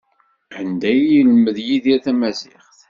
Anda ay yelmed Yidir tamaziɣt?